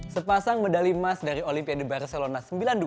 sepasang medali emas dari olimpiade barcelona sembilan puluh dua